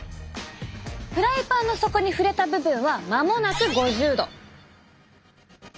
フライパンの底に触れた部分は間もなく５０℃。